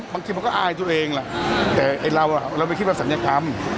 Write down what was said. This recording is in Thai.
บางทีผมก็อายทุกคนเองละแต่เราเราไม่คิดว่าสัญญาคัม